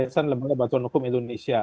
kesan lembaga bantuan hukum indonesia